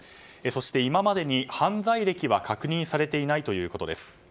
そして、今までに犯罪歴は確認されていないということです。